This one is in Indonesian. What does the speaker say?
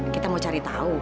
kita mau cari tahu